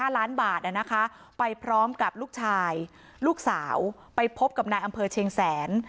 ๕ล้านบาทไปพร้อมกับลูกชายลูกสาวไปพบกับนายอำเภอเชียงแสน